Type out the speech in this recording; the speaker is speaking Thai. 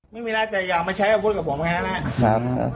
ไม่มีไรแต่อยากมาใช้กับคนกับผมแหละ